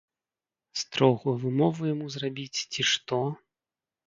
Строгую вымову яму зрабіць ці што?